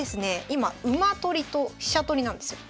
今馬取りと飛車取りなんですよ。